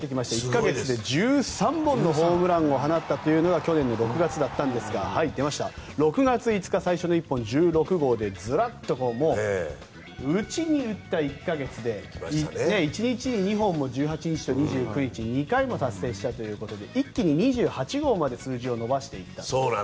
１か月で１３本のホームランを放ったのが去年６月だったんですが６月１日、最初の１本１６号でずらっと打ちに打った１か月で１日に２本も１８日と２９日に達成したということで一気に２８号まで数字を伸ばしていった。